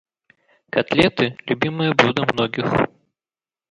Котлеты - любимое блюдо многих.